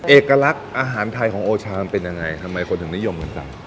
เอกลักษณ์อาหารไทยของโอชามันเป็นยังไงทำไมคนถึงนิยมกันสั่ง